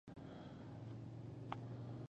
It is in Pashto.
• دښمني د خوښۍ سړی غمجن کوي.